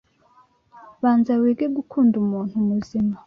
Banza wige gukunda umuntu muzima